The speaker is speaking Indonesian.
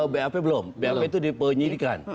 bap belum bap itu dipenyelidikan